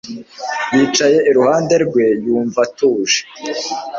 Yicaye iruhande rwe yumva atuje